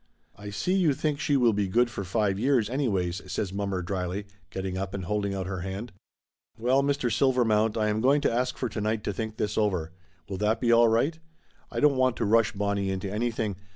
"I see you think she will be good for five years, anyways," says mommer dryly, getting up and holding out her hand. "Well, Mr. Silvermount, I am going to ask for tonight to think this over. Will that be all right ? I don't want to rush Bonnie into anything.